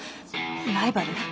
ライバル？